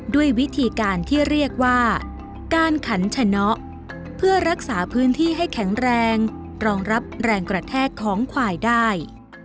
ด้วยวิธีการที่เรียกว่าการขันชะเนาะเพื่อรักษาพื้นที่ให้แข็งแรงรองรับแรงกระแทกของควายได้